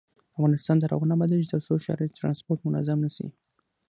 افغانستان تر هغو نه ابادیږي، ترڅو ښاري ترانسپورت منظم نشي.